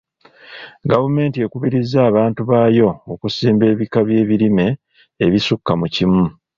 Gavumenti ekubiriza abantu baayo okusimba ebika by'ebirime ebisukka mu kimu.